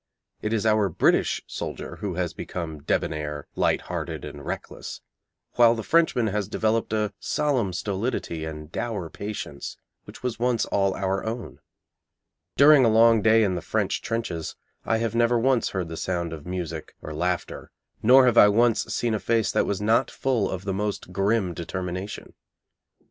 It is our British soldier who has become debonair, light hearted and reckless, while the Frenchman has developed a solemn stolidity and dour patience which was once all our own. During a long day in the French trenches, I have never once heard the sound of music or laughter, nor have I once seen a face that was not full of the most grim determination.